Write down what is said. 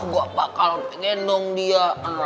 gue bakal pengendong dia